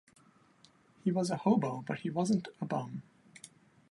He was a hobo but he wasn't a bum.